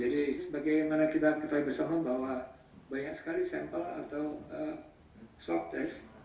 jadi sebagaimana kita ketahui bersama bahwa banyak sekali sampel atau swap test